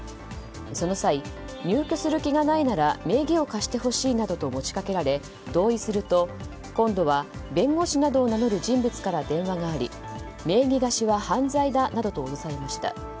その際、入居する気がないのなら名義を貸してほしいと持ちかけられ同意すると、今度は弁護士などを名乗る人物から電話があり名義貸しは犯罪だなどと脅されました。